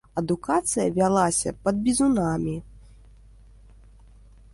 Адукацыя вялася пад бізунамі.